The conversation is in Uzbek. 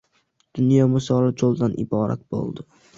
Dunyo misoli cho‘ldan iborat bo‘ldi.